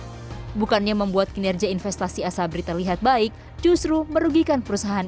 ini bukannya membuat kinerja investasi asabri terlihat baik justru merugikan perusahaan